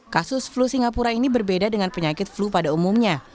kasus flu singapura ini berbeda dengan penyakit flu pada umumnya